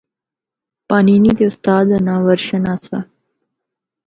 پانینی دے استاد دا ناں ورشن آسا۔